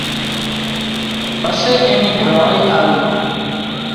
پسي اين نِي گھر واۯي آوي